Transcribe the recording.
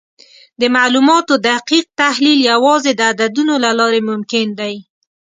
د معلوماتو دقیق تحلیل یوازې د عددونو له لارې ممکن دی.